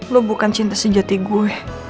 lo bukan cinta sejati gue